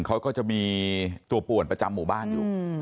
เขาก็จะมีตัวป่วนประจำหมู่บ้านอยู่